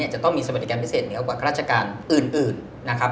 จะต้องมีสวัสดิการพิเศษเหนือกว่าข้าราชการอื่น